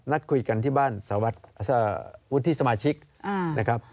นัดคุยกันที่บ้านสวทธิสมาชิก